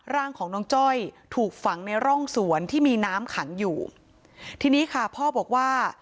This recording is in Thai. ร่างของน้องจ้อยถูกฝังในร่องสวนที่มีน้ำขังอยู่ทีนี้ค่ะพ่อบอกว่า